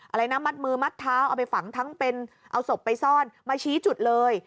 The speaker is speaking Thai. อะไรนะมัดมือมัดเท้าเอาไปฝังทั้งเป็นเอาศพไปซ่อนมาชี้จุดเลย